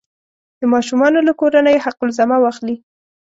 د ماشومانو له کورنیو حق الزحمه واخلي.